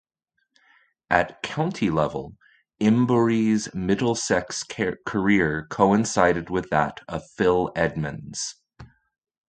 At county level, Emburey's Middlesex career coincided with that of Phil Edmonds.